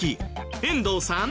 遠藤さん